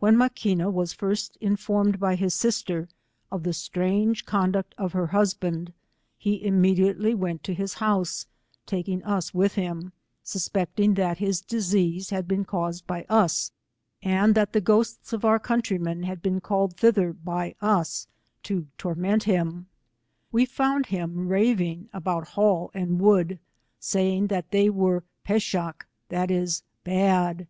When Maquina was ffrst informed by his sister, of the strange conduct of her husband, he imme diately went to his house, taking us with him; suspecting that his disease had been eaused by u», 131 and that the ghosts of onr countrymen had been called tMlher by as, to torment hirn. We found him raving about Hall and Wood, saying that they were peshaky that is, bad.